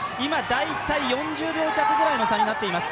大体、今、４０秒弱ぐらいの差になっています。